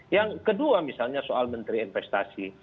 yang kedua misalnya soal menteri investasi